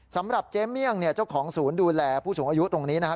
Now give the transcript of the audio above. สำหรับเจ๊เมี่ยงเนี่ยเจ้าของศูนย์ดูแลผู้สูงอายุตรงนี้นะครับ